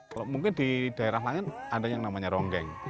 kalau mungkin di daerah lain ada yang namanya ronggeng